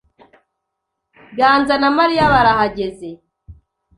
Ganza na Mariya barahageze.